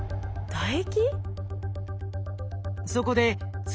唾液？